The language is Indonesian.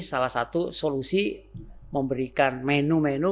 salah satu solusi memberikan menu menu